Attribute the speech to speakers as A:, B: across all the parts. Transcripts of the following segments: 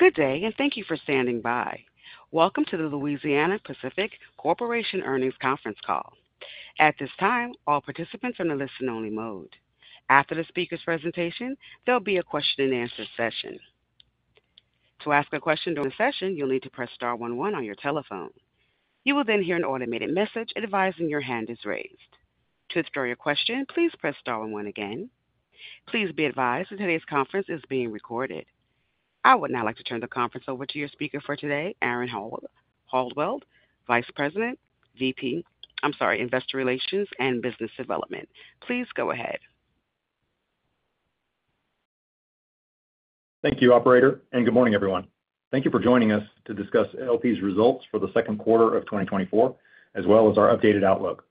A: Good day, and thank you for standing by. Welcome to the Louisiana-Pacific Corporation Earnings Conference Call. At this time, all participants are in a listen-only mode. After the speaker's presentation, there'll be a question-and-answer session. To ask a question during the session, you'll need to press star one one on your telephone. You will then hear an automated message advising your hand is raised. To withdraw your question, please press star one one again. Please be advised that today's conference is being recorded. I would now like to turn the conference over to your speaker for today, Aaron Howald, Vice President, I'm sorry, Investor Relations and Business Development. Please go ahead.
B: Thank you, operator, and good morning, everyone. Thank you for joining us to discuss LP's results for the second quarter of 2024, as well as our updated outlook.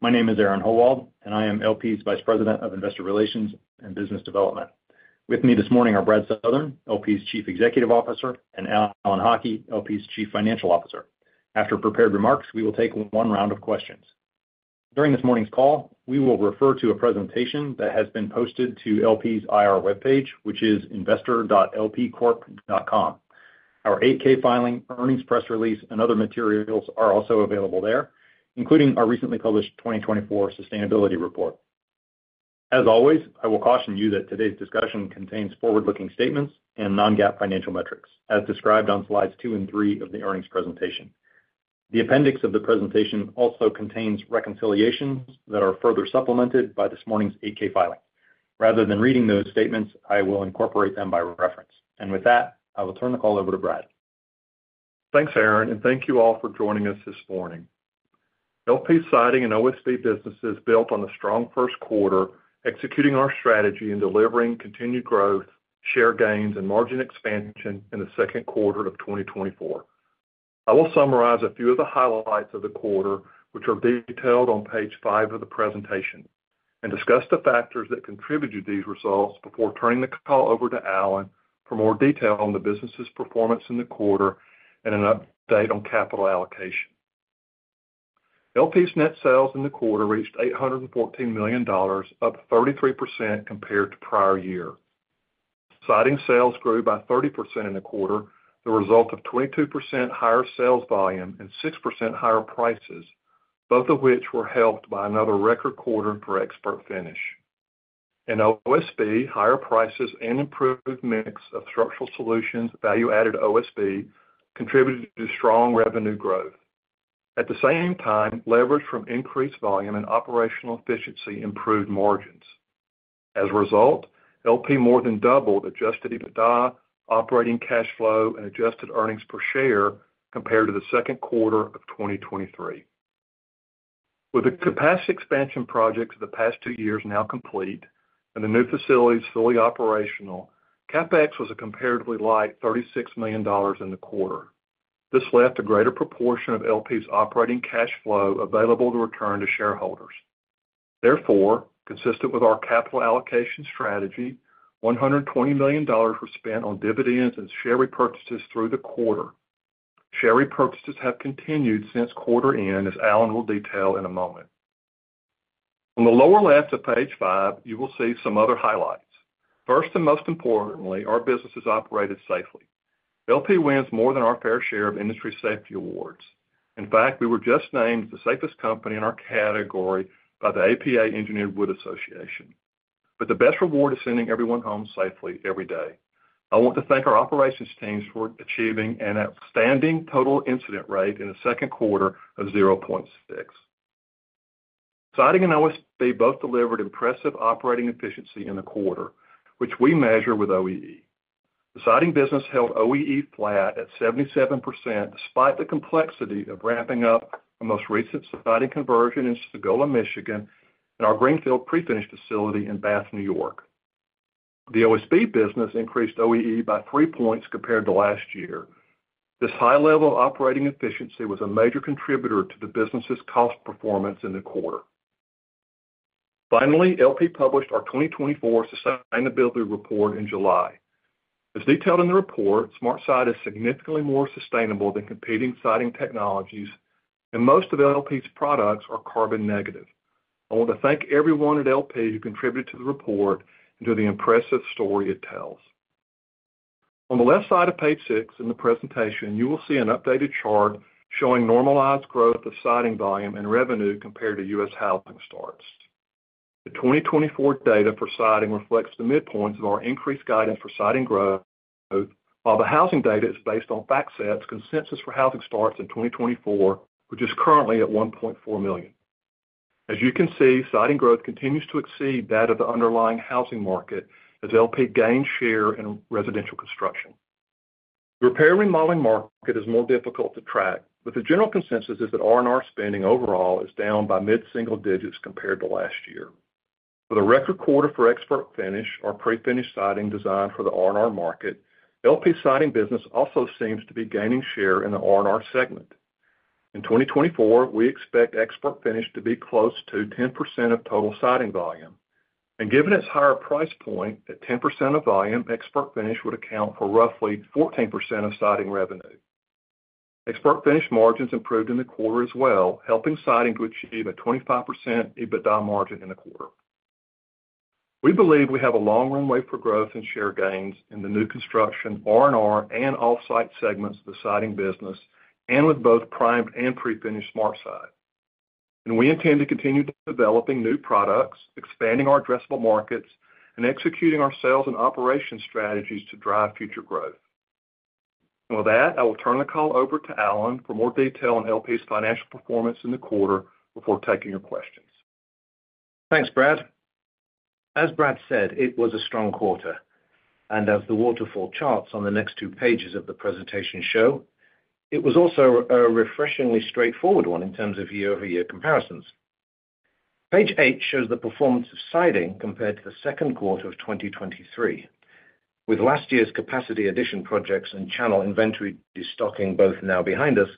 B: My name is Aaron Howald, and I am LP's Vice President of Investor Relations and Business Development. With me this morning are Brad Southern, LP's Chief Executive Officer, and Alan Haughie, LP's Chief Financial Officer. After prepared remarks, we will take one round of questions. During this morning's call, we will refer to a presentation that has been posted to LP's IR webpage, which is investor.lpcorp.com. Our 8-K filing, earnings press release, and other materials are also available there, including our recently published 2024 Sustainability Report. As always, I will caution you that today's discussion contains forward-looking statements and non-GAAP financial metrics, as described on slides 2 and 3 of the earnings presentation. The appendix of the presentation also contains reconciliations that are further supplemented by this morning's 8-K filing. Rather than reading those statements, I will incorporate them by reference. With that, I will turn the call over to Brad.
C: Thanks, Aaron, and thank you all for joining us this morning. LP Siding and OSB businesses built on a strong first quarter, executing our strategy and delivering continued growth, share gains, and margin expansion in the second quarter of 2024. I will summarize a few of the highlights of the quarter, which are detailed on page 5 of the presentation, and discuss the factors that contributed to these results before turning the call over to Alan for more detail on the business's performance in the quarter and an update on capital allocation. LP's net sales in the quarter reached $814 million, up 33% compared to prior year. Siding sales grew by 30% in the quarter, the result of 22% higher sales volume and 6% higher prices, both of which were helped by another record quarter for ExpertFinish. In OSB, higher prices and improved mix of Structural Solutions, value-added OSB, contributed to strong revenue growth. At the same time, leverage from increased volume and operational efficiency improved margins. As a result, LP more than doubled adjusted EBITDA, operating cash flow, and adjusted earnings per share compared to the second quarter of 2023. With the capacity expansion projects of the past two years now complete and the new facilities fully operational, CapEx was a comparatively light $36 million in the quarter. This left a greater proportion of LP's operating cash flow available to return to shareholders. Therefore, consistent with our capital allocation strategy, $120 million were spent on dividends and share repurchases through the quarter. Share repurchases have continued since quarter end, as Alan will detail in a moment. On the lower left of page five, you will see some other highlights. First, and most importantly, our business is operated safely. LP wins more than our fair share of industry safety awards. In fact, we were just named the safest company in our category by the APA – The Engineered Wood Association. But the best reward is sending everyone home safely every day. I want to thank our operations teams for achieving an outstanding total incident rate in the second quarter of 0.6. Siding and OSB both delivered impressive operating efficiency in the quarter, which we measure with OEE. The Siding business held OEE flat at 77%, despite the complexity of ramping up the most recent Siding conversion in Sagola, Michigan, and our Greenfield prefinish facility in Bath, New York. The OSB business increased OEE by 3 points compared to last year. This high level of operating efficiency was a major contributor to the business's cost performance in the quarter. Finally, LP published our 2024 Sustainability Report in July. As detailed in the report, SmartSide is significantly more sustainable than competing siding technologies, and most of LP's products are carbon negative. I want to thank everyone at LP who contributed to the report and to the impressive story it tells. On the left side of page 6 in the presentation, you will see an updated chart showing normalized growth of Siding volume and revenue compared to U.S. housing starts. The 2024 data for Siding reflects the midpoints of our increased guidance for Siding growth, while the housing data is based on FactSet's consensus for housing starts in 2024, which is currently at 1.4 million. As you can see, Siding growth continues to exceed that of the underlying housing market as LP gains share in residential construction. The repair remodeling market is more difficult to track, but the general consensus is that R&R spending overall is down by mid-single digits compared to last year. With a record quarter for ExpertFinish, our prefinish siding designed for the R&R market, LP's Siding business also seems to be gaining share in the R&R segment. In 2024, we expect ExpertFinish to be close to 10% of total Siding volume, and given its higher price point, at 10% of volume, ExpertFinish would account for roughly 14% of Siding revenue. ExpertFinish margins improved in the quarter as well, helping Siding to achieve a 25% EBITDA margin in the quarter. We believe we have a long runway for growth and share gains in the new construction, R&R, and off-site segments of the Siding business, and with both primed and prefinished SmartSide. We intend to continue developing new products, expanding our addressable markets, and executing our sales and operation strategies to drive future growth. With that, I will turn the call over to Alan for more detail on LP's financial performance in the quarter before taking your questions.
D: Thanks, Brad. As Brad said, it was a strong quarter, and as the waterfall charts on the next two pages of the presentation show, it was also a refreshingly straightforward one in terms of year-over-year comparisons. Page eight shows the performance of Siding compared to the second quarter of 2023. With last year's capacity addition projects and channel inventory destocking both now behind us,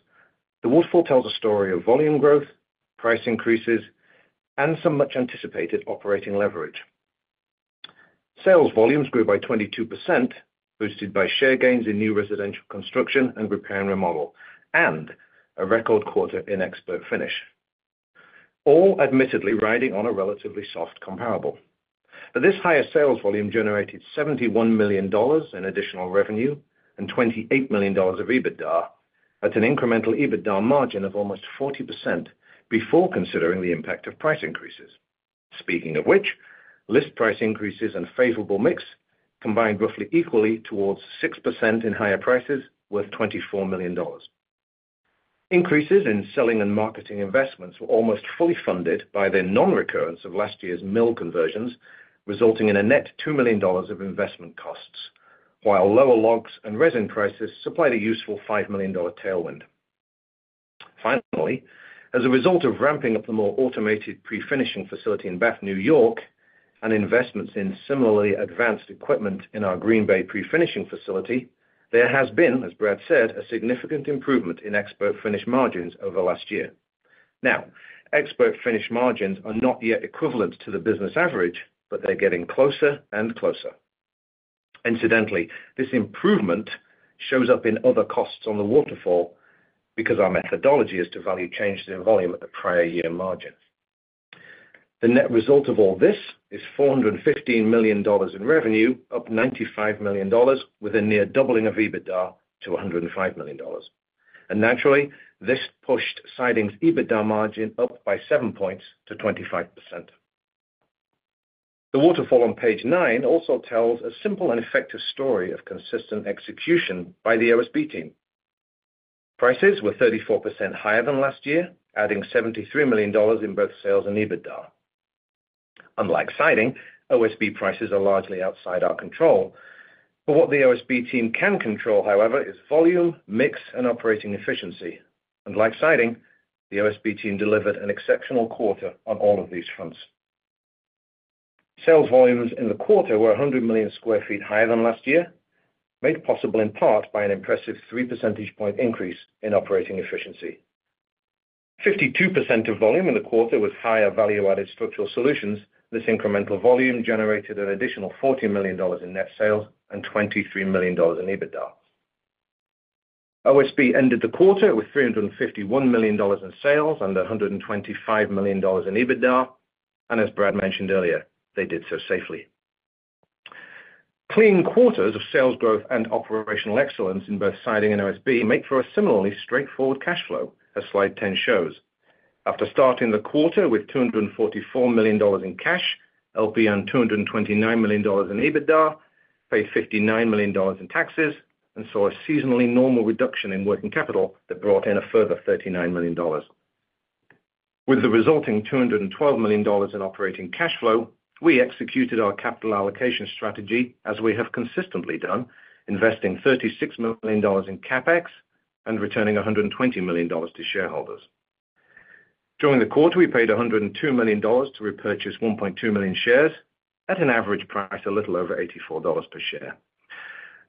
D: the waterfall tells a story of volume growth, price increases, and some much-anticipated operating leverage. Sales volumes grew by 22%, boosted by share gains in new residential construction and repair and remodel, and a record quarter in ExpertFinish, all admittedly riding on a relatively soft comparable. But this higher sales volume generated $71 million in additional revenue and $28 million of EBITDA, at an incremental EBITDA margin of almost 40%, before considering the impact of price increases. Speaking of which, list price increases and favorable mix combined roughly equally towards 6% in higher prices, worth $24 million. Increases in selling and marketing investments were almost fully funded by the non-recurrence of last year's mill conversions, resulting in a net $2 million of investment costs, while lower logs and resin prices supplied a useful $5 million tailwind. Finally, as a result of ramping up the more automated prefinishing facility in Bath, New York, and investments in similarly advanced equipment in our Green Bay prefinishing facility, there has been, as Brad said, a significant improvement in ExpertFinish margins over last year. Now, ExpertFinish margins are not yet equivalent to the business average, but they're getting closer and closer. Incidentally, this improvement shows up in other costs on the waterfall because our methodology is to value change in volume at the prior year margin. The net result of all this is $415 million in revenue, up $95 million, with a near doubling of EBITDA to $105 million. Naturally, this pushed Siding's EBITDA margin up by 7 points to 25%. The waterfall on page 9 also tells a simple and effective story of consistent execution by the OSB team. Prices were 34% higher than last year, adding $73 million in both sales and EBITDA. Unlike Siding, OSB prices are largely outside our control, but what the OSB team can control, however, is volume, mix, and operating efficiency. Like Siding, the OSB team delivered an exceptional quarter on all of these fronts. Sales volumes in the quarter were 100 million sq ft higher than last year, made possible in part by an impressive 3 percentage point increase in operating efficiency. 52% of volume in the quarter was higher value-added Structural Solutions. This incremental volume generated an additional $40 million in net sales and $23 million in EBITDA. OSB ended the quarter with $351 million in sales and $125 million in EBITDA, and as Brad mentioned earlier, they did so safely. Clean quarters of sales growth and operational excellence in both Siding and OSB make for a similarly straightforward cash flow, as slide 10 shows. After starting the quarter with $244 million in cash, LP earned $229 million in EBITDA, paid $59 million in taxes, and saw a seasonally normal reduction in working capital that brought in a further $39 million. With the resulting $212 million in operating cash flow, we executed our capital allocation strategy, as we have consistently done, investing $36 million in CapEx and returning $120 million to shareholders. During the quarter, we paid $102 million to repurchase 1.2 million shares at an average price a little over $84 per share.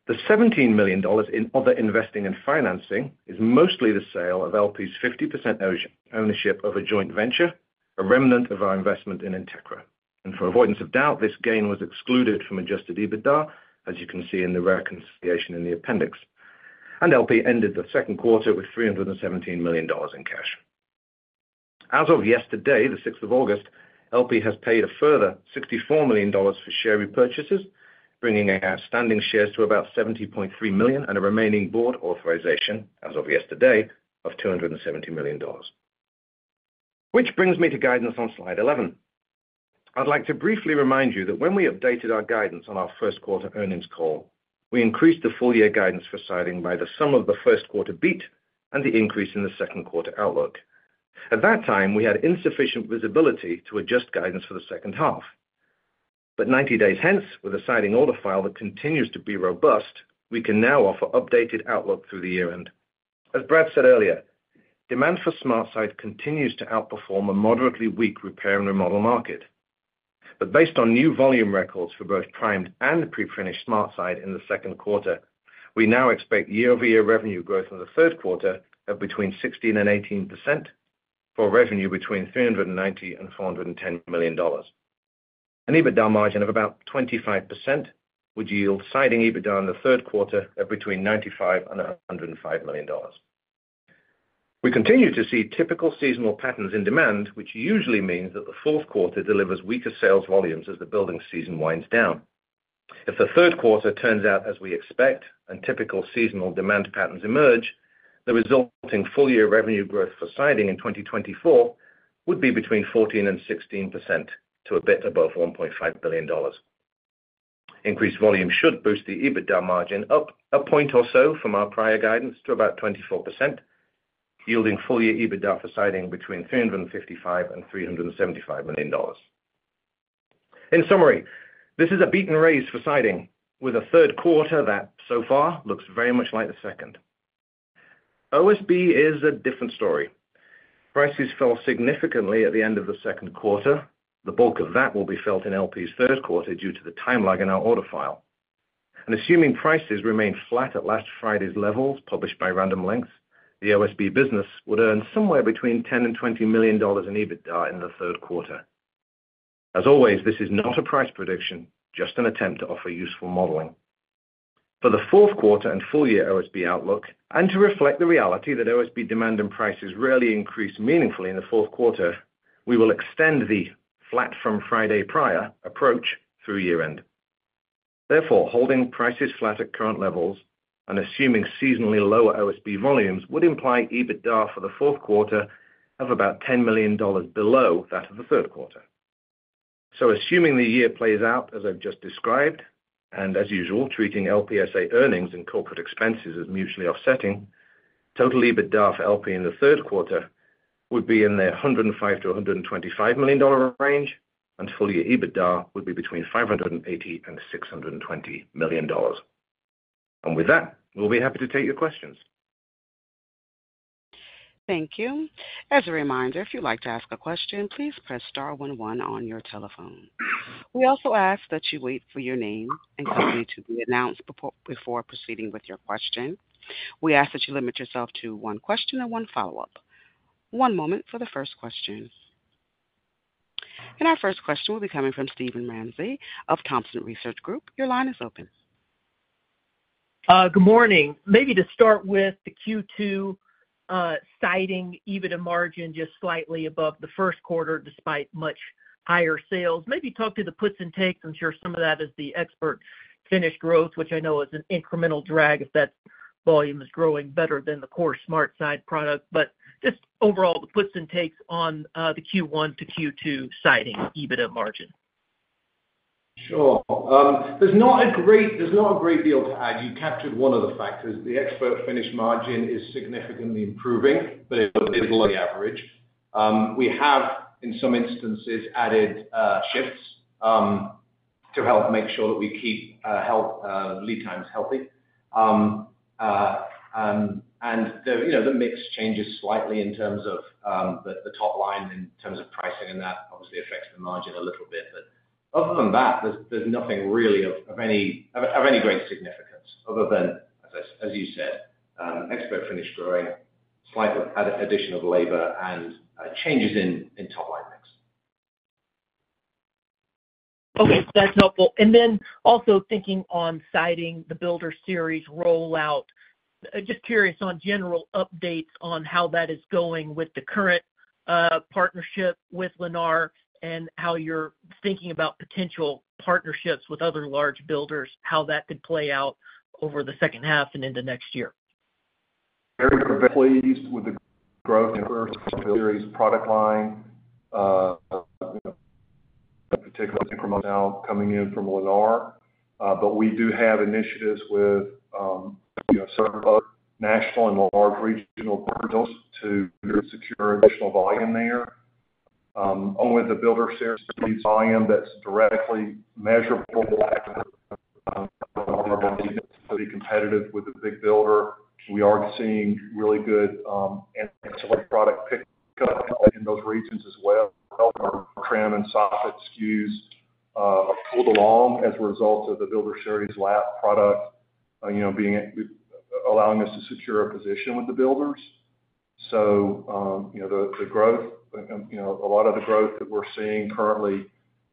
D: The $17 million in other investing and financing is mostly the sale of LP's 50% ownership of a joint venture, a remnant of our investment in Entekra. For avoidance of doubt, this gain was excluded from Adjusted EBITDA, as you can see in the reconciliation in the appendix. LP ended the second quarter with $317 million in cash. As of yesterday, the sixth of August, LP has paid a further $64 million for share repurchases, bringing our outstanding shares to about 70.3 million, and a remaining board authorization, as of yesterday, of $270 million. Which brings me to guidance on slide 11. I'd like to briefly remind you that when we updated our guidance on our first quarter earnings call, we increased the full year guidance for Siding by the sum of the first quarter beat and the increase in the second quarter outlook. At that time, we had insufficient visibility to adjust guidance for the second half. But 90 days hence, with a Siding order file that continues to be robust, we can now offer updated outlook through the year-end. As Brad said earlier, demand for SmartSide continues to outperform a moderately weak repair and remodel market. Based on new volume records for both primed and prefinished SmartSide in the second quarter, we now expect year-over-year revenue growth in the third quarter of between 16% and 18%, for revenue between $390 million and $410 million. An EBITDA margin of about 25% would yield Siding EBITDA in the third quarter of between $95 million and $105 million. We continue to see typical seasonal patterns in demand, which usually means that the fourth quarter delivers weaker sales volumes as the building season winds down. If the third quarter turns out as we expect and typical seasonal demand patterns emerge, the resulting full-year revenue growth for Siding in 2024 would be between 14% and 16% to a bit above $1.5 billion. Increased volume should boost the EBITDA margin up a point or so from our prior guidance to about 24%, yielding full-year EBITDA for Siding between $355 million and $375 million. In summary, this is a beat and raise for Siding, with a third quarter that so far looks very much like the second. OSB is a different story. Prices fell significantly at the end of the second quarter. The bulk of that will be felt in LP's third quarter due to the time lag in our order file. Assuming prices remain flat at last Friday's levels, published by Random Lengths, the OSB business would earn somewhere between $10 million and $20 million in EBITDA in the third quarter. As always, this is not a price prediction, just an attempt to offer useful modeling. For the fourth quarter and full year OSB outlook, and to reflect the reality that OSB demand and prices rarely increase meaningfully in the fourth quarter, we will extend the flat from Friday prior approach through year-end. Therefore, holding prices flat at current levels and assuming seasonally lower OSB volumes, would imply EBITDA for the fourth quarter of about $10 million below that of the third quarter. So assuming the year plays out as I've just described, and as usual, treating LPSA earnings and corporate expenses as mutually offsetting, total EBITDA for LP in the third quarter would be in the $105-$125 million range, and full year EBITDA would be between $580 million and $620 million. And with that, we'll be happy to take your questions.
A: Thank you. As a reminder, if you'd like to ask a question, please press star one, one on your telephone. We also ask that you wait for your name and company to be announced before proceeding with your question. We ask that you limit yourself to one question and one follow-up. One moment for the first question. Our first question will be coming from Steven Ramsey of Thompson Research Group. Your line is open.
E: Good morning. Maybe to start with the Q2, Siding EBITDA margin just slightly above the first quarter, despite much higher sales. Maybe talk to the puts and takes. I'm sure some of that is the ExpertFinished growth, which I know is an incremental drag if that volume is growing better than the core smart side product. But just overall, the puts and takes on, the Q1 to Q2 Siding EBITDA margin.
D: Sure. There's not a great deal to add. You captured one of the factors. The ExpertFinish margin is significantly improving, but it is below the average. We have, in some instances, added shifts to help make sure that we keep healthy lead times healthy. And the, you know, the mix changes slightly in terms of the top line in terms of pricing, and that obviously affects the margin a little bit. But other than that, there's nothing really of any great significance other than, as you said, ExpertFinish growing, slight addition of labor and changes in top line mix.
E: Okay, that's helpful. Then also thinking on Siding, the Builder Series rollout. Just curious on general updates on how that is going with the current partnership with Lennar and how you're thinking about potential partnerships with other large builders, how that could play out over the second half and into next year.
C: Very pleased with the growth in our Series product line, you know, particularly now coming in from Lennar. But we do have initiatives with, you know, several other national and more large regional partners to secure additional volume there. Only the Builder Series volume that's directly measurable, to be competitive with the big builder. We are seeing really good and select product pick up in those regions as well. Our trim and soffit SKUs are pulled along as a result of the Builder Series lap product, you know, allowing us to secure a position with the builders. So, you know, the growth, you know, a lot of the growth that we're seeing currently,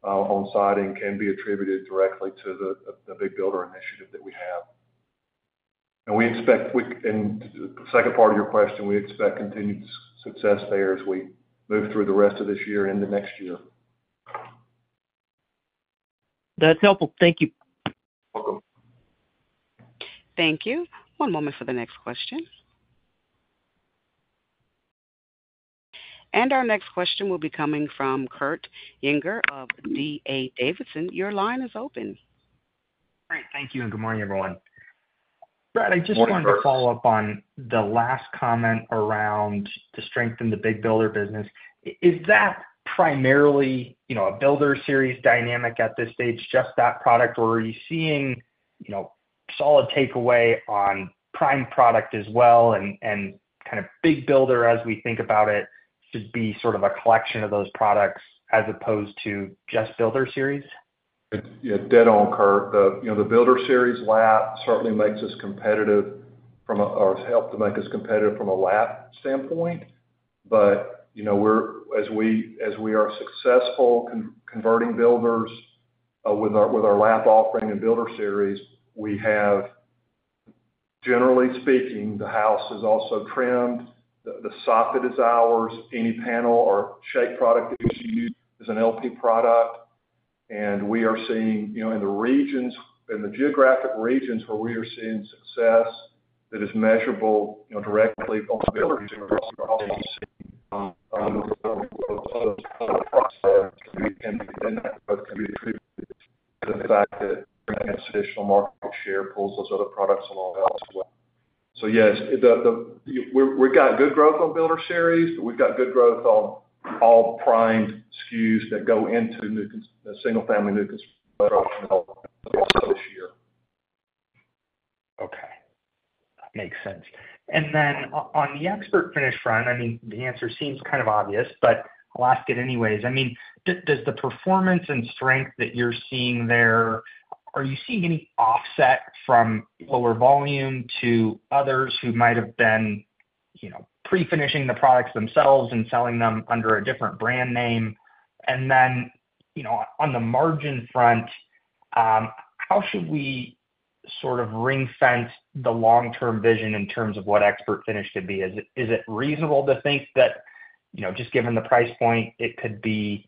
C: on Siding can be attributed directly to the big builder initiative that we have. We expect, and the second part of your question, we expect continued success there as we move through the rest of this year into next year.
E: That's helpful. Thank you.
C: Welcome.
A: Thank you. One moment for the next question. Our next question will be coming from Kurt Yinger of D.A. Davidson. Your line is open.
F: Great. Thank you, and good morning, everyone.
D: Good morning, Kurt.
F: Brad, I just wanted to follow up on the last comment around the strength in the big builder business. Is that primarily, you know, a Builder Series dynamic at this stage, just that product, or are you seeing, you know, solid takeaway on prime product as well and kind of big builder as we think about it to be sort of a collection of those products as opposed to just Builder Series?
C: Yeah, dead on, Kurt. The, you know, the Builder Series lap certainly makes us competitive from a, or has helped to make us competitive from a lap standpoint. But, you know, we're as we are successful converting builders with our lap offering and Builder Series, we have, generally speaking, the house is also trimmed. The soffit is ours. Any panel or shake product that is used is an LP product, and we are seeing, you know, in the regions, in the geographic regions where we are seeing success, that is measurable? You know, directly on stability can be attributed to the fact that additional market share pulls those other products along well as well. So yes, we've got good growth on Builder Series, but we've got good growth on all primed SKUs that go into the single family new construction this year.
F: Okay. That makes sense. And then on the ExpertFinish front, I mean, the answer seems kind of obvious, but I'll ask it anyways. I mean, does the performance and strength that you're seeing there, are you seeing any offset from lower volume to others who might have been, you know, prefinishing the products themselves and selling them under a different brand name? And then, you know, on the margin front, how should we sort of ring fence the long-term vision in terms of what ExpertFinish should be? Is it, is it reasonable to think that, you know, just given the price point, it could be,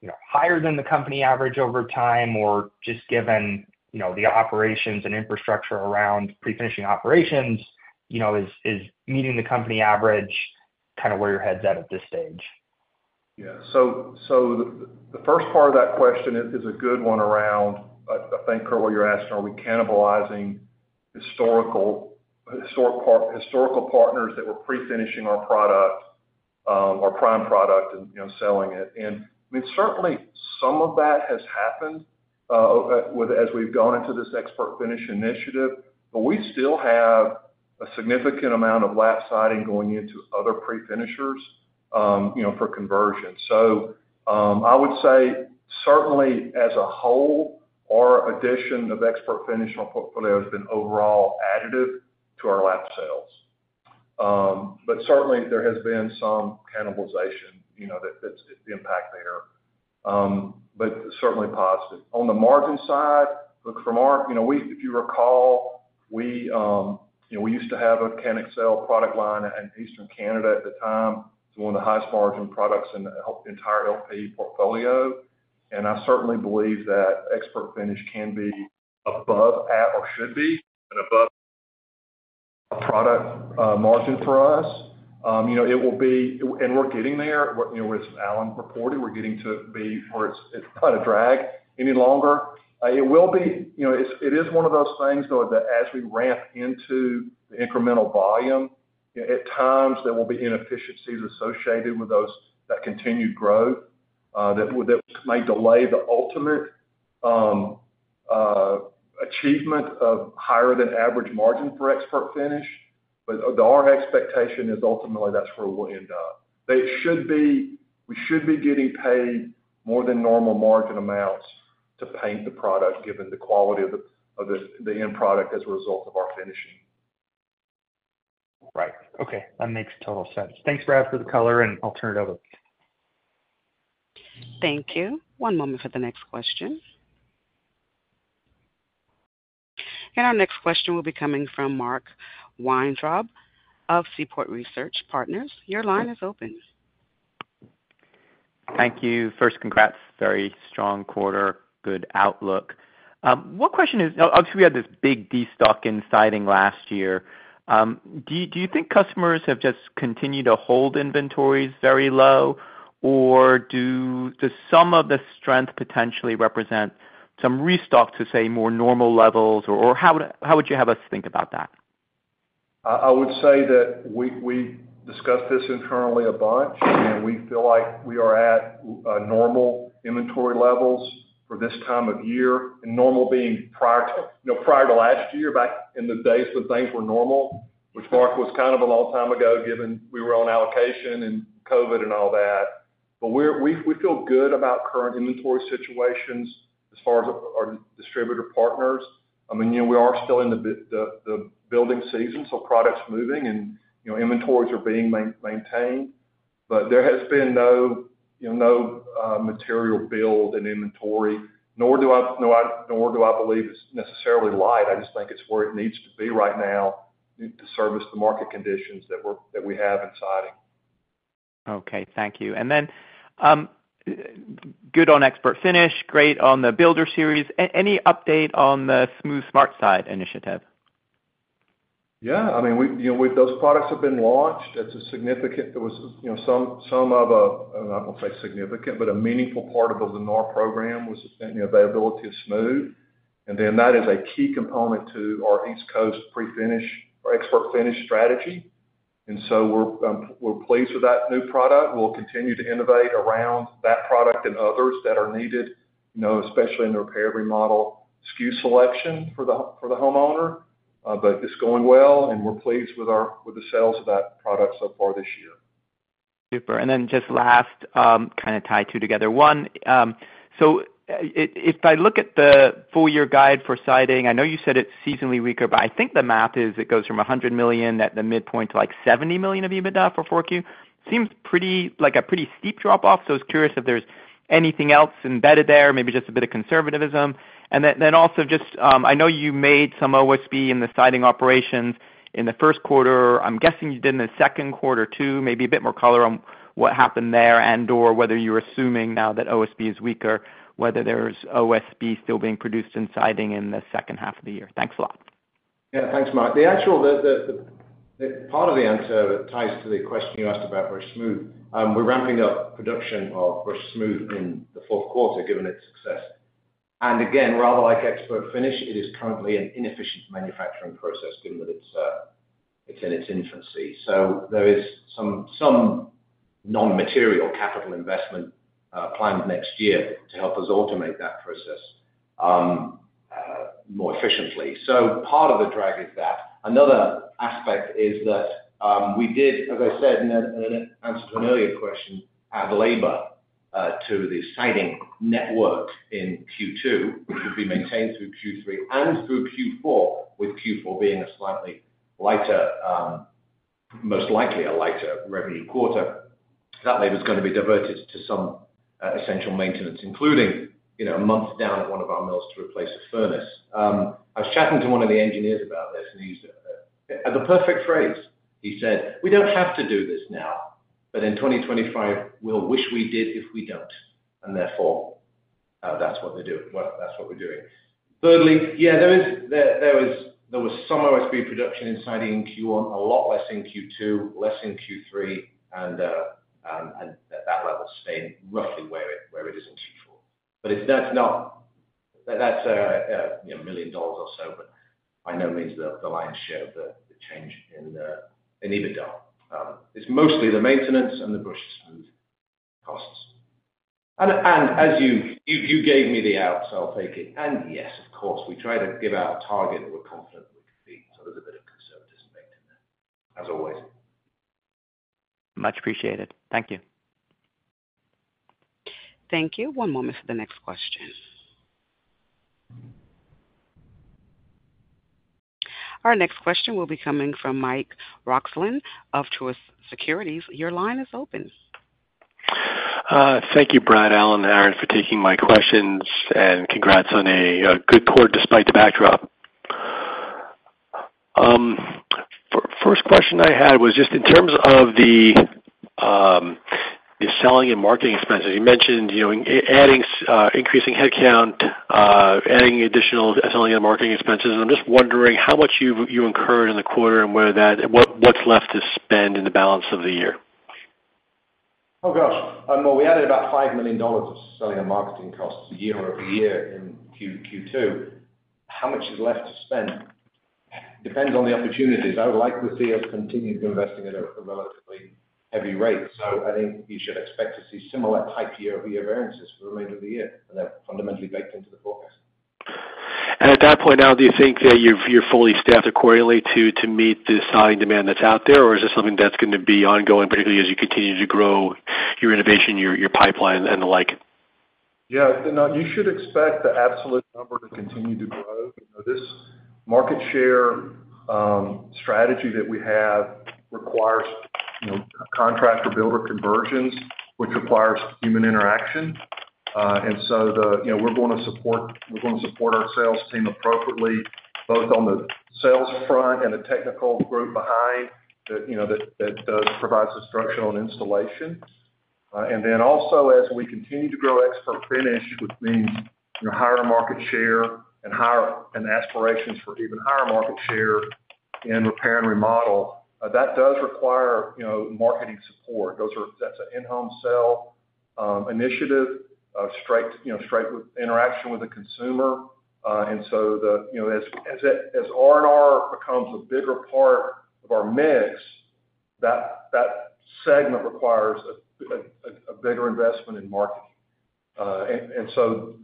F: you know, higher than the company average over time, or just given, you know, the operations and infrastructure around prefinishing operations, you know, is, is meeting the company average kind of where your head's at, at this stage?
C: Yeah. So the first part of that question is a good one around, I think, Kurt, what you're asking, are we cannibalizing historical partners that were prefinishing our product, our prime product and, you know, selling it? And, I mean, certainly some of that has happened with as we've gone into this ExpertFinish initiative, but we still have a significant amount of lap siding going into other prefinishers, you know, for conversion. So, I would say, certainly as a whole, our addition of ExpertFinish on portfolio has been overall additive to our lap sales. But certainly there has been some cannibalization, you know, that's the impact there, but certainly positive. On the margin side, look, from our you know, we if you recall, we you know, we used to have a CanExel product line in Eastern Canada at the time. It's one of the highest margin products in the entire LP portfolio, and I certainly believe that ExpertFinish can be above, at, or should be, an above product margin for us. You know, it will be... And we're getting there, you know, as Alan reported, we're getting to be where it's, it's not a drag any longer. It will be, you know, it is one of those things, though, that as we ramp into the incremental volume, at times there will be inefficiencies associated with those, that continued growth that may delay the ultimate achievement of higher than average margin for ExpertFinish, but our expectation is ultimately that's where we'll end up. They should be—We should be getting paid more than normal margin amounts to paint the product, given the quality of the end product as a result of our finishing.
F: Right. Okay, that makes total sense. Thanks, Brad, for the color, and I'll turn it over.
A: Thank you. One moment for the next question. Our next question will be coming from Mark Weintraub of Seaport Research Partners. Your line is open.
G: Thank you. First, congrats. Very strong quarter, good outlook. One question is, obviously, we had this big destock in siding last year. Do you think customers have just continued to hold inventories very low, or does some of the strength potentially represent some restock to, say, more normal levels, or how would you have us think about that?
C: I would say that we discuss this internally a bunch, and we feel like we are at normal inventory levels for this time of year, and normal being prior to, you know, prior to last year, back in the days when things were normal, which Mark was kind of a long time ago, given we were on allocation and COVID and all that. But we feel good about current inventory situations as far as our distributor partners. I mean, you know, we are still in the building season, so product's moving and, you know, inventories are being maintained, but there has been no, you know, no material build in inventory, nor do I believe it's necessarily light. I just think it's where it needs to be right now to service the market conditions that we have in siding.
G: Okay, thank you. And then, good on ExpertFinish, great on the Builder Series. Any update on the Smooth SmartSide initiative?
C: Yeah, I mean, we, you know, with those products have been launched, that's a significant—There was, you know, some of a, I won't say significant, but a meaningful part of the Lennar program was, you know, availability of Smooth. And then that is a key component to our East Coast prefinish or ExpertFinish strategy. And so we're, we're pleased with that new product. We'll continue to innovate around that product and others that are needed, you know, especially in the repair/remodel SKU selection for the homeowner. But it's going well, and we're pleased with our—with the sales of that product so far this year.
G: Super! And then just last, kind of tie two together. One, so if I look at the full year guide for Siding, I know you said it's seasonally weaker, but I think the math is it goes from $100 million at the midpoint to, like, $70 million of EBITDA for 4Q. Seems pretty, like a pretty steep drop off, so I was curious if there's anything else embedded there, maybe just a bit of conservatism. And then also just, I know you made some OSB in the Siding operations in the first quarter. I'm guessing you did in the second quarter, too. Maybe a bit more color on what happened there and/or whether you're assuming now that OSB is weaker, whether there's OSB still being produced in Siding in the second half of the year. Thanks a lot.
D: Yeah, thanks, Mark. The actual part of the answer ties to the question you asked about Brushed Smooth. We're ramping up production of Brushed Smooth in the fourth quarter, given its success. And again, rather like ExpertFinish, it is currently an inefficient manufacturing process, given that it's in its infancy. So there is some non-material capital investment planned next year to help us automate that process more efficiently. So part of the drag is that. Another aspect is that, we did, as I said in an answer to an earlier question, add labor to the Siding network in Q2, which will be maintained through Q3 and through Q4, with Q4 being a slightly lighter, most likely a lighter revenue quarter. That labor is gonna be diverted to some essential maintenance, including, you know, a month down at one of our mills to replace a furnace. I was chatting to one of the engineers about this, and he used the perfect phrase. He said, "We don't have to do this now, but in 2025, we'll wish we did if we don't." And therefore, that's what we're doing. Well, that's what we're doing. Thirdly, yeah, there was some OSB production in Siding in Q1, a lot less in Q2, less in Q3, and that level staying roughly where it is in Q4. But if that's not. That's, you know, $1 million or so, but by no means the line showed the change in EBITDA. It's mostly the maintenance and the Brushed Smooth costs. And as you gave me the out, so I'll take it. And yes, of course, we try to give out a target that we're confident we can beat, so there's a bit of conservatism baked in there, as always.
G: Much appreciated. Thank you.
A: Thank you. One moment for the next question. Our next question will be coming from Mike Roxland of Truist Securities. Your line is open.
H: Thank you, Brad, Alan, and Aaron, for taking my questions, and congrats on a good quarter despite the backdrop. First question I had was just in terms of the selling and marketing expenses. You mentioned, you know, adding, increasing headcount, adding additional selling and marketing expenses. I'm just wondering how much you, you incurred in the quarter and whether that—what's left to spend in the balance of the year?
D: Oh, gosh! Well, we added about $5 million of selling and marketing costs year-over-year in Q2. How much is left to spend? Depends on the opportunities. I would like to see us continue to investing at a relatively heavy rate, so I think you should expect to see similar type year-over-year variances for the remainder of the year, and they're fundamentally baked into the forecast.
H: At that point now, do you think that you've—you're fully staffed accordingly to, to meet the selling demand that's out there, or is this something that's gonna be ongoing, particularly as you continue to grow your innovation, your, your pipeline, and the like?
C: Yeah. No, you should expect the absolute number to continue to grow. You know, this market share strategy that we have requires, you know, contractor builder conversions, which requires human interaction. And so the, you know, we're going to support, we're going to support our sales team appropriately, both on the sales front and the technical group behind the, you know, that provides the structure on installation. And then also, as we continue to grow ExpertFinish, which means, you know, higher market share and higher and aspirations for even higher market share in repair and remodel, that does require, you know, marketing support. Those are. That's an in-home sale initiative, straight, you know, straight with interaction with the consumer. And so, you know, as it, as R&R becomes a bigger part of our mix, that segment requires a bigger investment in marketing. And so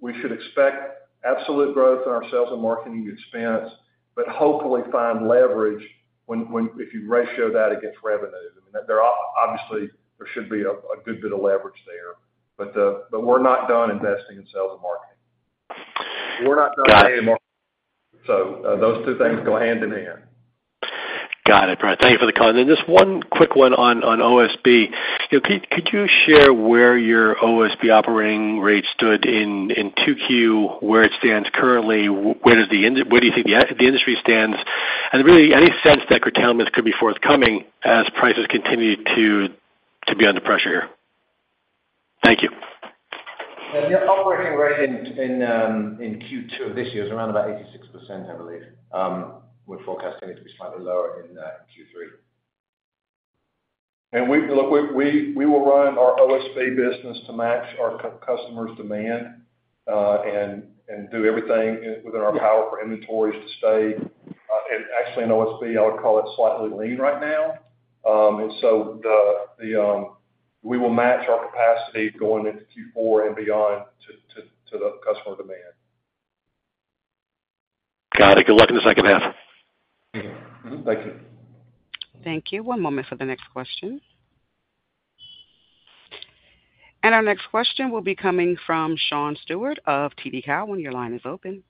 C: we should expect absolute growth in our sales and marketing expense, but hopefully find leverage if you ratio that against revenue. I mean, obviously, there should be a good bit of leverage there, but we're not done investing in sales and marketing. We're not done-
H: Got it.
C: Those two things go hand in hand.
H: Got it, Brad. Thank you for the comment. Just one quick one on OSB. You know, could you share where your OSB operating rate stood in 2Q, where it stands currently, where do you think the industry stands? And really, any sense that curtailments could be forthcoming as prices continue to be under pressure? Thank you.
D: The operating rate in Q2 of this year is around about 86%, I believe. We're forecasting it to be slightly lower in Q3.
C: Look, we will run our OSB business to match our customers' demand, and do everything within our power for inventories to stay, and actually in OSB, I would call it slightly lean right now. We will match our capacity going into Q4 and beyond to the customer demand.
H: Good luck in the second half.
D: Thank you.
A: Thank you. One moment for the next question. Our next question will be coming from Sean Stewart of TD Cowen. Your line is open.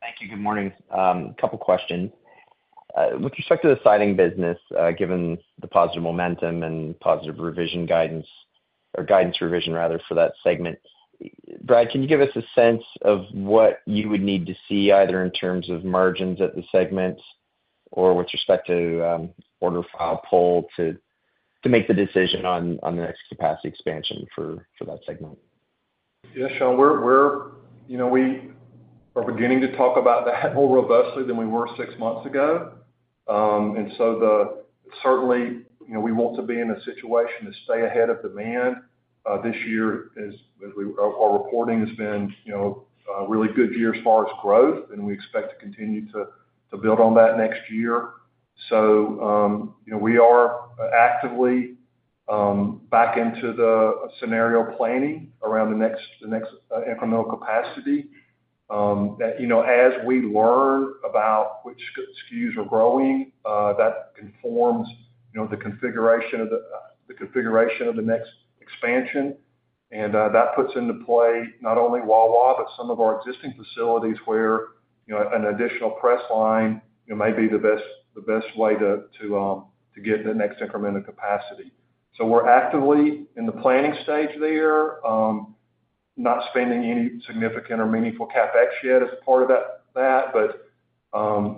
I: Thank you. Good morning. A couple questions. With respect to the siding business, given the positive momentum and positive revision guidance, or guidance revision rather, for that segment, Brad, can you give us a sense of what you would need to see, either in terms of margins at the segment or with respect to, order file pull, to make the decision on, the next capacity expansion for, that segment?
C: Yeah, Sean, we're you know, we are beginning to talk about that more robustly than we were six months ago. And so, certainly, you know, we want to be in a situation to stay ahead of demand this year, as our reporting has been you know, a really good year as far as growth, and we expect to continue to build on that next year. So, you know, we are actively back into the scenario planning around the next incremental capacity. That, you know, as we learn about which SKUs are growing, that conforms, you know, the configuration of the, the configuration of the next expansion, and that puts into play not only Wawa, but some of our existing facilities where, you know, an additional press line, you know, may be the best, the best way to, to, to get the next increment of capacity. So we're actively in the planning stage there, not spending any significant or meaningful CapEx yet as a part of that, that, but,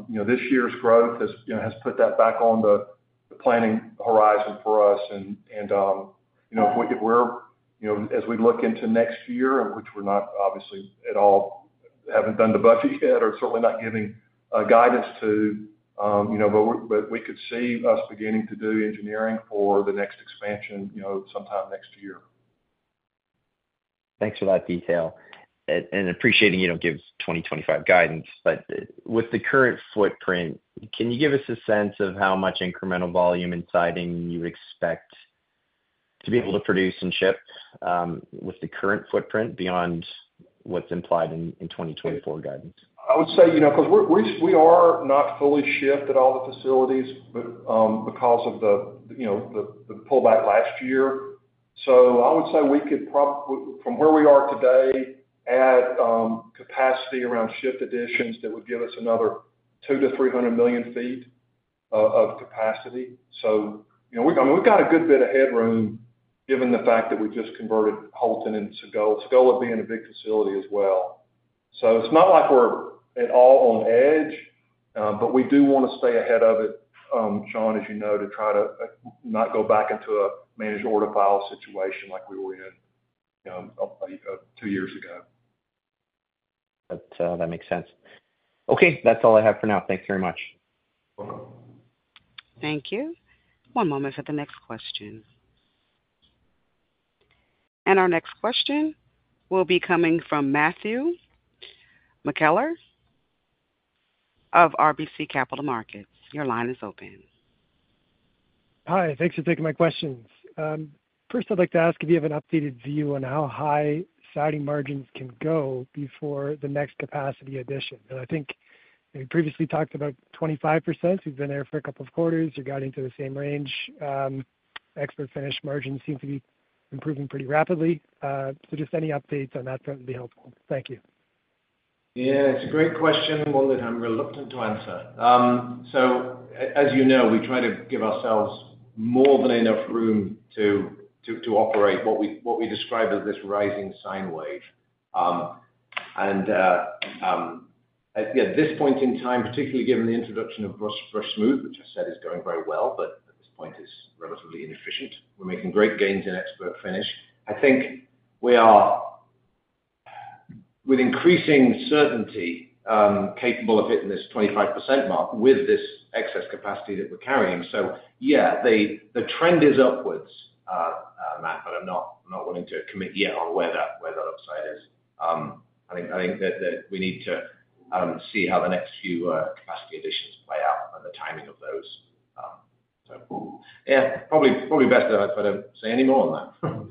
C: you know, this year's growth has, you know, has put that back on the, the planning horizon for us. You know, we're—you know—as we look into next year, and which we're not obviously at all, haven't done the budget yet or certainly not giving guidance to, you know, but we could see us beginning to do engineering for the next expansion, you know, sometime next year.
I: Thanks for that detail. Appreciating you don't give 2025 guidance, but with the current footprint, can you give us a sense of how much incremental volume and siding you expect to be able to produce and ship with the current footprint beyond what's implied in 2024 guidance?
C: I would say, you know, because we're, we are not fully shipped at all the facilities, but because of the, you know, the pullback last year. So I would say we could probably from where we are today add capacity around shift additions that would give us another 200 million-300 million feet of capacity. So, you know, we've got a good bit of headroom, given the fact that we just converted Houlton and Sagola. Sagola being a big facility as well. So it's not like we're at all on edge, but we do want to stay ahead of it, Sean, as you know, to try to not go back into a managed order file situation like we were in two years ago.
I: That, that makes sense. Okay. That's all I have for now. Thanks very much.
C: Welcome.
A: Thank you. One moment for the next question. Our next question will be coming from Matthew McKellar of RBC Capital Markets. Your line is open.
J: Hi, thanks for taking my questions. First, I'd like to ask if you have an updated view on how high siding margins can go before the next capacity addition. I think you previously talked about 25%. You've been there for a couple of quarters. You got into the same range. ExpertFinish margins seem to be improving pretty rapidly. So just any updates on that front would be helpful. Thank you.
D: Yeah, it's a great question, one that I'm reluctant to answer. So as you know, we try to give ourselves more than enough room to operate what we describe as this rising sine wave. And at this point in time, particularly given the introduction of Brushed Smooth, which I said is going very well, but at this point is relatively inefficient. We're making great gains in ExpertFinish. I think we are, with increasing certainty, capable of hitting this 25% mark with this excess capacity that we're carrying. So yeah, the trend is upwards, Matt, but I'm not willing to commit yet on where that upside is.I think that we need to see how the next few capacity additions play out and the timing of those. So yeah, probably best that I don't say any more on that.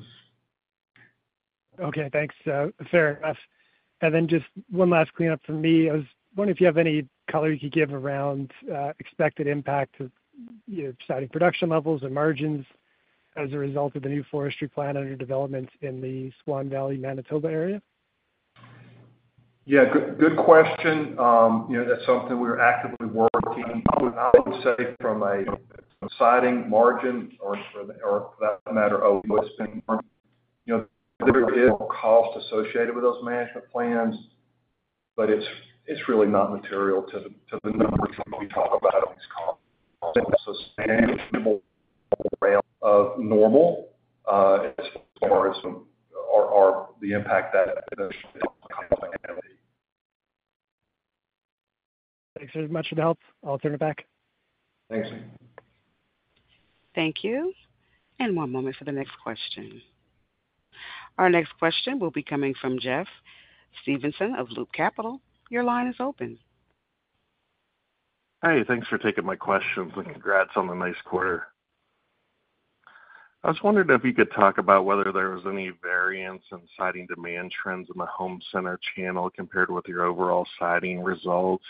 J: Okay, thanks. Fair enough. And then just one last cleanup for me. I was wondering if you have any color you could give around expected impact to, you know, siding production levels and margins as a result of the new forestry plan under development in the Swan Valley, Manitoba area.
C: Yeah, good, good question. You know, that's something we're actively working. I would say from a siding margin or for, or for that matter, you know, there is cost associated with those management plans, but it's really not material to the numbers when we talk about these costs of normal, as far as our, the impact that
J: Thanks very much for the help. I'll turn it back.
D: Thanks.
A: Thank you. One moment for the next question. Our next question will be coming from Jeff Stevenson of Loop Capital. Your line is open.
K: Hey, thanks for taking my questions, and congrats on the nice quarter. I was wondering if you could talk about whether there was any variance in siding demand trends in the home center channel compared with your overall siding results?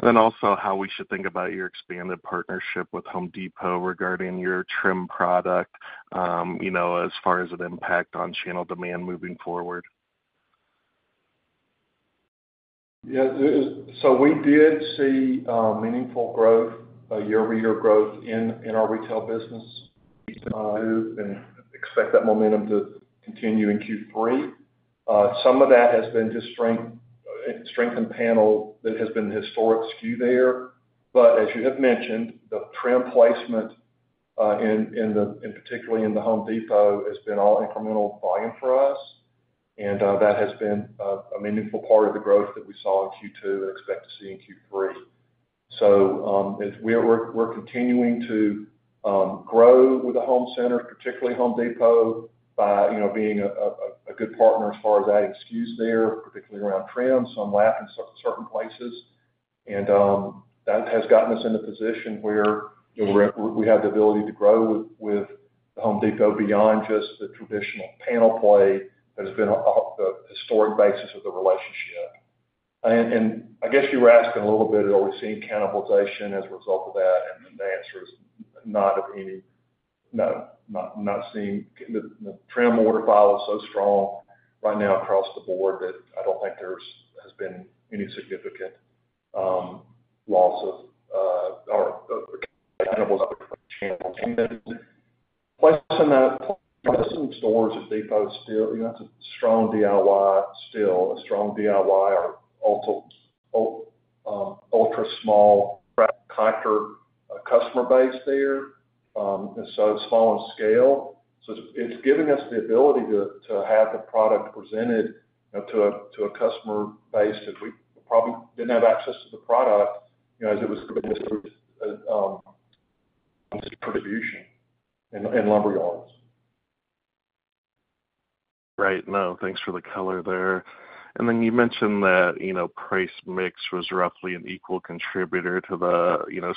K: And then also how we should think about your expanded partnership with Home Depot regarding your trim product, you know, as far as an impact on channel demand moving forward.
C: Yeah, there is, so we did see meaningful growth, a year-over-year growth in our retail business, and expect that momentum to continue in Q3. Some of that has been just strength in panel that has been historic SKU there. But as you have mentioned, the trim placement, particularly in the Home Depot, has been all incremental volume for us, and that has been a meaningful part of the growth that we saw in Q2 and expect to see in Q3. So, as we are, we're continuing to grow with the home center, particularly Home Depot, by, you know, being a good partner as far as that SKU there, particularly around trim, some lap in certain places. And that has gotten us in a position where, you know, we're, we have the ability to grow with Home Depot beyond just the traditional panel play that has been of the historic basis of the relationship. And I guess you were asking a little bit, are we seeing cannibalization as a result of that? And the answer is not of any... No, not seeing. The trim order file is so strong right now across the board, that I don't think there's been any significant loss of our channels. And then placing that in stores at Home Depot still, you know, that's a strong DIY, still a strong DIY or also ultra small contractor customer base there. And so it's small in scale.It's giving us the ability to have the product presented, you know, to a customer base that we probably didn't have access to the product, you know, as it was, distribution in lumber yards.
K: Right. No, thanks for the color there. And then you mentioned that, you know, price mix was roughly an equal contributor to the, you know,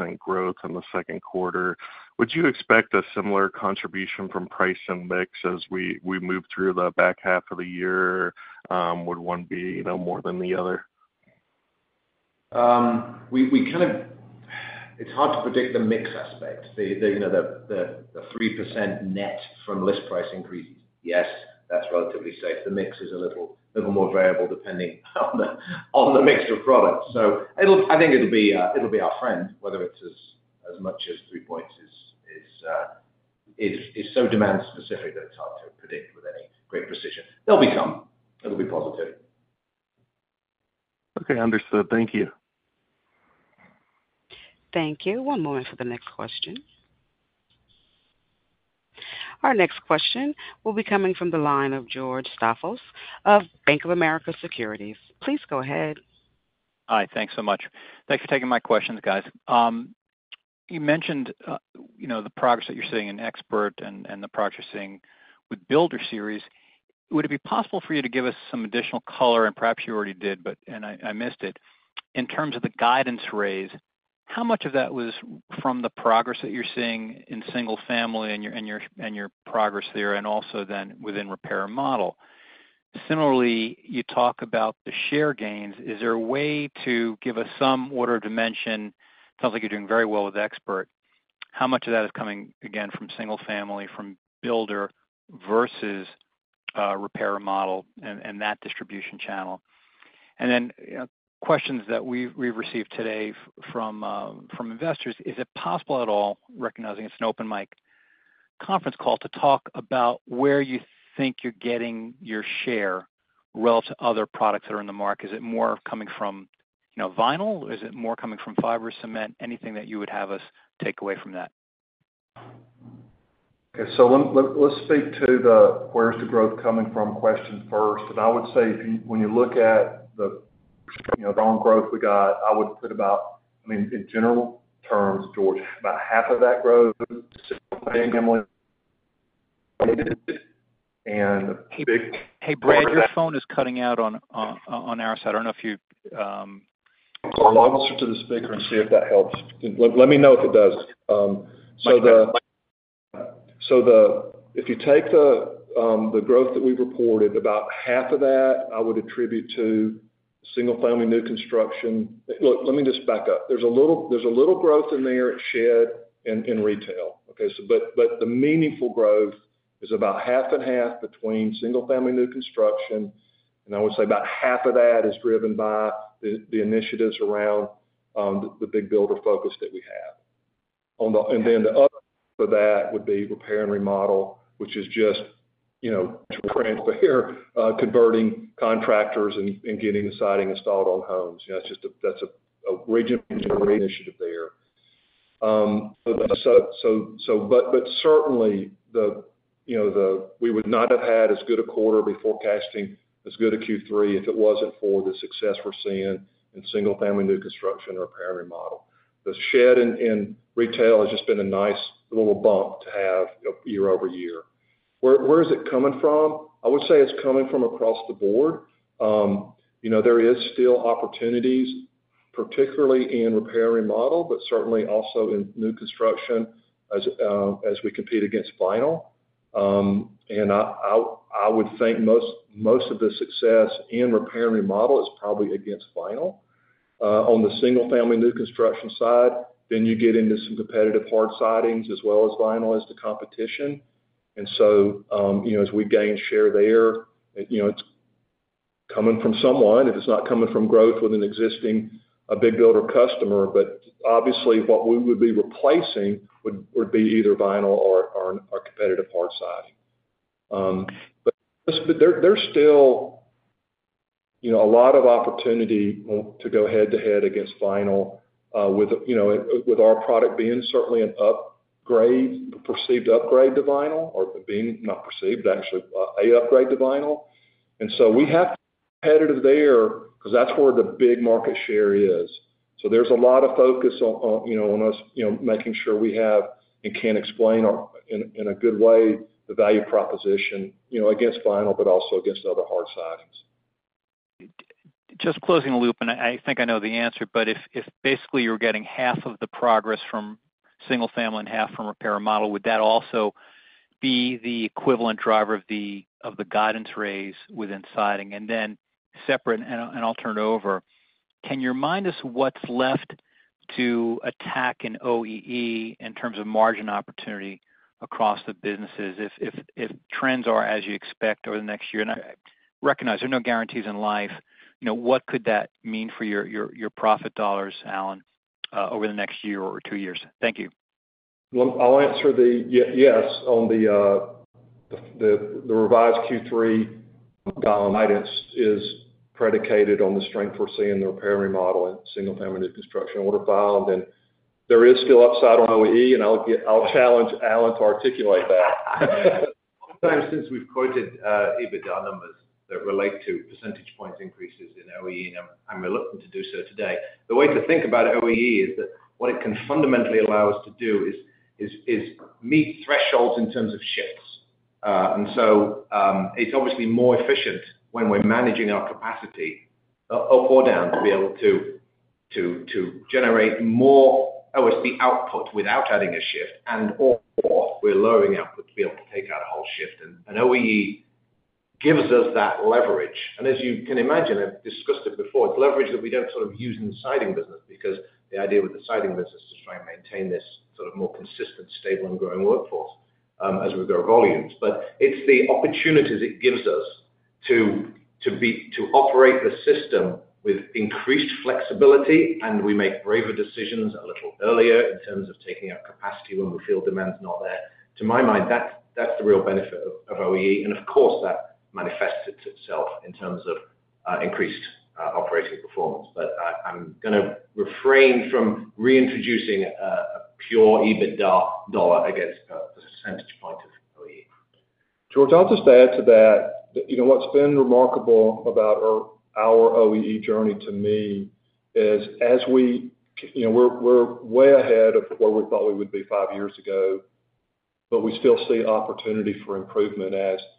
K: 6% growth in the second quarter. Would you expect a similar contribution from price and mix as we move through the back half of the year? Would one be, you know, more than the other?
D: We kind of... It's hard to predict the mix aspect. You know, the 3% net from list price increases, yes, that's relatively safe. The mix is a little more variable depending on the mixture of products. So it'll—I think it'll be our friend, whether it's as much as three points is so demand specific that it's hard to predict with any great precision. They'll become, it'll be positive.
K: Okay, understood. Thank you.
A: Thank you. One moment for the next question. Our next question will be coming from the line of George Staphos of Bank of America Securities. Please go ahead.
L: Hi, thanks so much. Thanks for taking my questions, guys. You mentioned, you know, the progress that you're seeing in Expert and, and the progress you're seeing with Builder Series. Would it be possible for you to give us some additional color, and perhaps you already did, but, and I, I missed it, in terms of the guidance raise, how much of that was from the progress that you're seeing in single family and your, and your, and your progress there, and also then within repair and model? Similarly, you talk about the share gains. Is there a way to give us some order of dimension? Sounds like you're doing very well with Expert. How much of that is coming, again, from single family, from Builder versus, repair and model and, and that distribution channel? And then, you know, questions that we've received today from investors, is it possible at all, recognizing it's an open mic conference call, to talk about where you think you're getting your share relative to other products that are in the market? Is it more coming from, you know, vinyl? Is it more coming from fiber or cement? Anything that you would have us take away from that.
C: Okay. So let's speak to the where's the growth coming from question first. And I would say if you, when you look at the, you know, wrong growth we got, I would put about, I mean, in general terms, George, about half of that growth and big-
L: Hey, Brad, your phone is cutting out on our side. I don't know if you- I'll switch to the speaker and see if that helps. Let me know if it does. So if you take the growth that we reported, about half of that I would attribute to single family new construction. Look, let me just back up. There's a little growth in there at shed and in retail. Okay, so but, but the meaningful growth is about half and half between single family new construction, and I would say about half of that is driven by the initiatives around the big builder focus that we have. And then the other for that would be repair and remodel, which is just, you know, transparent here, converting contractors and getting the siding installed on homes. You know, it's just that's a great initiative there. But certainly, you know, we would not have had as good a quarter before casting, as good a Q3, if it wasn't for the success we're seeing in single family new construction or repair and remodel. The shed and retail has just been a nice little bump to have year-over-year. Where is it coming from? I would say it's coming from across the board. You know, there is still opportunities, particularly in repair and remodel, but certainly also in new construction as we compete against vinyl. And I would think most of the success in repair and remodel is probably against vinyl. On the single-family new construction side, then you get into some competitive hard sidings as well as vinyl as the competition. So, you know, as we gain share there, you know, it's coming from someone, if it's not coming from growth with an existing, a big builder customer. But obviously, what we would be replacing would be either vinyl or a competitive hard siding. But there, there's still, you know, a lot of opportunity to go head-to-head against vinyl, with, you know, with our product being certainly an upgrade, perceived upgrade to vinyl, or being not perceived, actually, a upgrade to vinyl. And so we have competitive there because that's where the big market share is. So there's a lot of focus on, you know, on us, you know, making sure we have and can explain our, in a good way, the value proposition, you know, against vinyl, but also against other hard sidings. Just closing the loop, and I think I know the answer, but if basically you're getting half of the progress from single family and half from repair and remodel, would that also be the equivalent driver of the guidance raise within siding? And then separate, and I'll turn it over: can you remind us what's left to attack in OEE in terms of margin opportunity across the businesses? If trends are as you expect over the next year, and I recognize there are no guarantees in life, you know, what could that mean for your profit dollars, Alan, over the next year or two years? Thank you.
C: Well, I'll answer. Yes, yes, on the revised Q3 guidance is predicated on the strength we're seeing in the repair and remodel and single-family new construction order book, and there is still upside on OEE, and I'll challenge Alan to articulate that.
D: Since we've quoted EBITDA numbers that relate to percentage points increases in OEE, and I'm reluctant to do so today. The way to think about OEE is that what it can fundamentally allow us to do is meet thresholds in terms of shifts. And so, it's obviously more efficient when we're managing our capacity up or down, to be able to generate more, obviously, output without adding a shift, and/or we're lowering output to be able to take out a whole shift. OEE gives us that leverage. As you can imagine, I've discussed it before, it's leverage that we don't sort of use in the siding business, because the idea with the siding business is to try and maintain this sort of more consistent, stable, and growing workforce, as we grow volumes. But it's the opportunities it gives us to operate the system with increased flexibility, and we make braver decisions a little earlier in terms of taking out capacity when we feel demand is not there. To my mind, that's the real benefit of OEE, and of course, that manifests itself in terms of increased operating performance. But I'm gonna refrain from reintroducing a pure EBITDA dollar against the percentage point of OEE.
C: George, I'll just add to that, you know, what's been remarkable about our OEE journey to me is, as we—you know, we're way ahead of where we thought we would be five years ago, but we still see opportunity for improvement as, you know.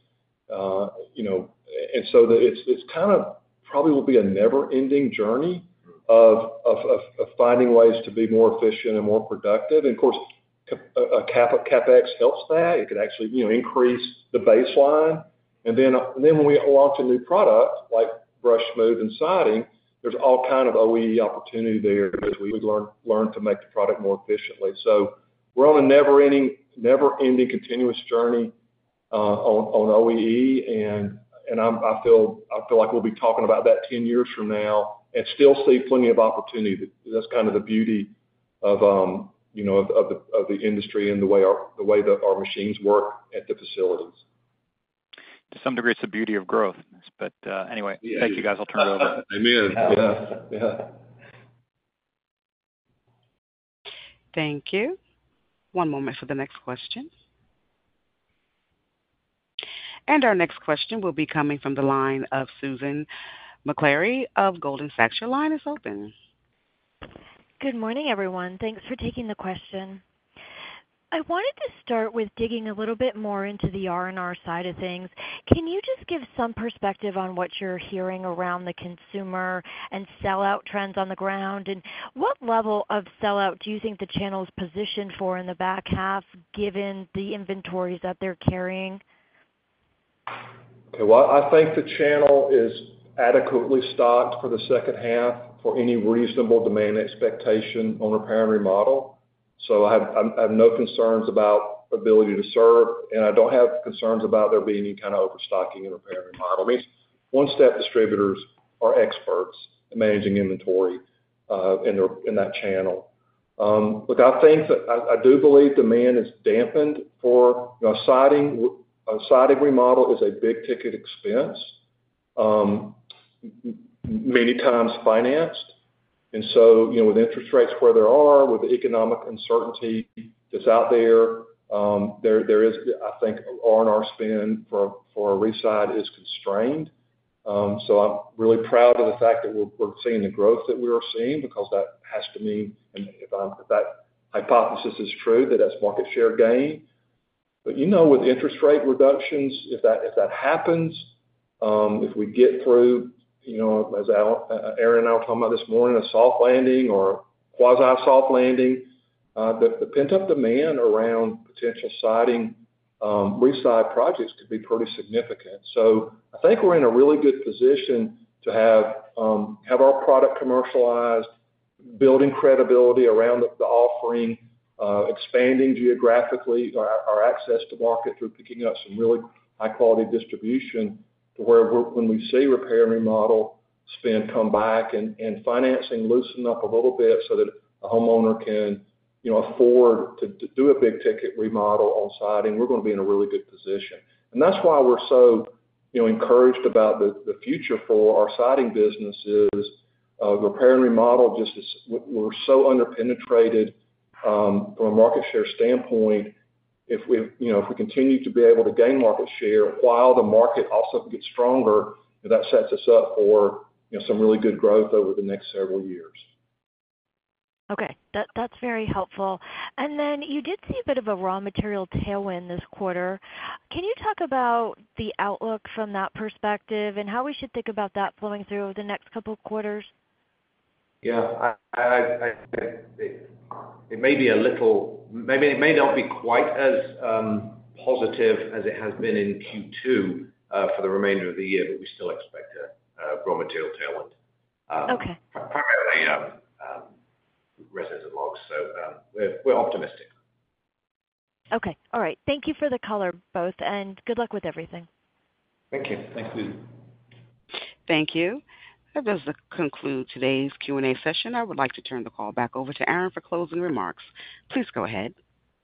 C: And so it's kind of probably will be a never-ending journey of finding ways to be more efficient and more productive. And of course, CapEx helps that. It could actually, you know, increase the baseline. And then when we launch a new product, like Brushed Smooth Siding, there's all kind of OEE opportunity there as we learn to make the product more efficiently. So we're on a never-ending, never-ending, continuous journey on OEE, and I feel like we'll be talking about that 10 years from now, and still see plenty of opportunity. That's kind of the beauty of, you know, of the industry and the way that our machines work at the facilities.
L: To some degree, it's the beauty of growth. But, anyway, thank you, guys. I'll turn it over.
C: Amen. Yeah. Yeah.
A: Thank you. One moment for the next question. Our next question will be coming from the line of Susan Maklari of Goldman Sachs. Your line is open.
M: Good morning, everyone. Thanks for taking the question. I wanted to start with digging a little bit more into the R&R side of things. Can you just give some perspective on what you're hearing around the consumer and sell-out trends on the ground? And what level of sell-out do you think the channel's positioned for in the back half, given the inventories that they're carrying?
C: Okay. Well, I think the channel is adequately stocked for the second half for any reasonable demand expectation on repair and remodel. So I have, I have no concerns about ability to serve, and I don't have concerns about there being any kind of overstocking in repair and remodel. These one-step distributors are experts in managing inventory in that channel. Look, I think that I, I do believe demand is dampened for, you know, siding. A siding remodel is a big-ticket expense, many times financed. And so, you know, with interest rates where they are, with the economic uncertainty that's out there, there is, I think, R&R spend for re-side is constrained. So I'm really proud of the fact that we're seeing the growth that we are seeing, because that has to mean, and if I'm, if that hypothesis is true, that that's market share gain. But, you know, with interest rate reductions, if that happens, if we get through, you know, as Alan and Aaron and I were talking about this morning, a soft landing or quasi soft landing, the pent-up demand around potential siding re-side projects could be pretty significant. So I think we're in a really good position to have our product commercialized, building credibility around the offering, expanding geographically our access to market through picking up some really high quality distribution to where we're—when we see repair and remodel spend come back and financing loosen up a little bit so that a homeowner can, you know, afford to do a big ticket remodel on siding, we're gonna be in a really good position. And that's why we're so, you know, encouraged about the future for our siding business is, repair and remodel just is, we're so underpenetrated, from a market share standpoint, if we, you know, if we continue to be able to gain market share while the market also gets stronger, that sets us up for, you know, some really good growth over the next several years.
M: Okay, that's very helpful. And then you did see a bit of a raw material tailwind this quarter. Can you talk about the outlook from that perspective and how we should think about that flowing through over the next couple of quarters?
D: Yeah, I think it may be a little, maybe it may not be quite as positive as it has been in Q2 for the remainder of the year, but we still expect a raw material tailwind.
M: Okay.
D: Primarily, resins and logs. So, we're optimistic.
M: Okay. All right. Thank you for the color, both, and good luck with everything.
D: Thank you.
C: Thank you.
A: Thank you. That does conclude today's Q&A session. I would like to turn the call back over to Aaron for closing remarks. Please go ahead.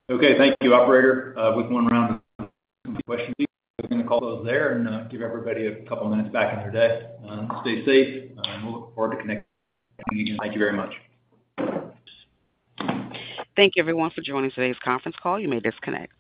B: Okay, thank you, operator. With one round of questions, we're going to call those there and give everybody a couple of minutes back in their day. Stay safe, and we'll look forward to connecting with you. Thank you very much.
A: Thank you, everyone, for joining today's conference call. You may disconnect.